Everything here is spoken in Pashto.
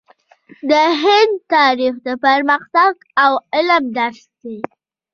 د هند تاریخ د پرمختګ او علم درس دی.